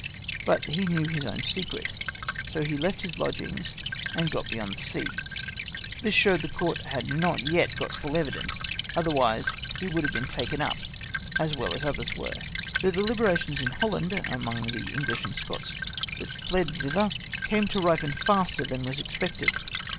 But he knew his own secret ; so he left his lodgings, and got beyond sea. This shewed the court had not yet got full evidence, otherwise he would have been taken up, as well as others were." — Vol. i. folio, p. 548. " The delilierations in Holland, among the English and Scotch that fled thitlier, came to ripen faster than was expected.